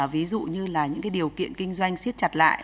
ví dụ như là những cái điều kiện kinh doanh siết chặt lại